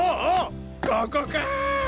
ここかぁ！